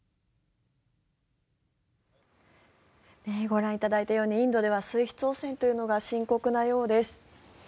ご覧いただいたようにインドでは水質汚染というのが深刻なようです。